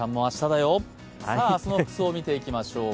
明日の服装、見ていきましょう。